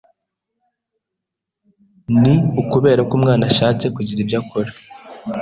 Ni ukubera ko umwana ashatse kugira ibyo akora